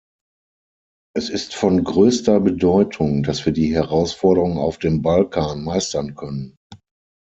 Es ist von größter Bedeutung, dass wir die Herausforderung auf dem Balkan meistern können.